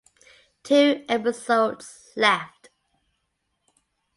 Two episodes left.